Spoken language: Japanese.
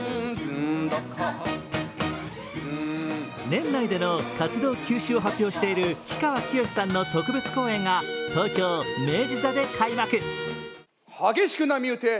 年内での活動休止を発表している氷川きよしさんの特別公演が東京・明治座で開幕。